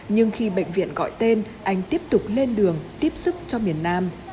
nhưng khi bệnh viện gọi tên anh tiếp tục lên đường tiếp sức cho miền nam